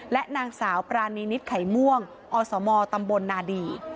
และนางสาวปรานีนิดไข่ม่วงอสมตำบลนาดี